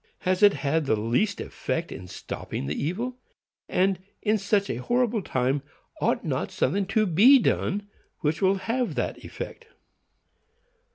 Has it had the least effect in stopping the evil? And, in such a horrible time, ought not something to be done which will have that effect?